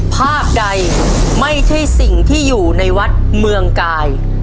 ภาพใดไม่ใช่สิ่งที่อยู่ในวัดเมืองกาย